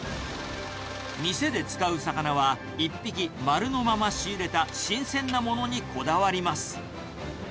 店で使う魚は、１匹丸のまま仕入れた新鮮なものにこだわります。